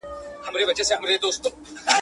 اوس یې پر پېچومو د کاروان حماسه ولیکه.